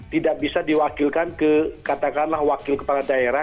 tidak bisa diwakilkan ke katakanlah wakil kepala daerah